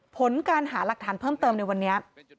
ผลการหาหลักฐานเพิ่มเติมในวันนี้